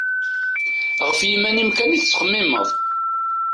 Γef yiman-im kan i tettxemmimeḍ.